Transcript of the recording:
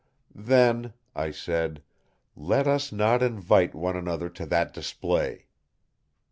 "Then," I said, "let us not invite one another to that display.